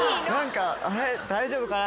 あれ大丈夫かな？